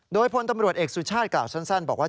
โดยพลตำรวจเอกสุชาติกล่าวสั้นบอกว่า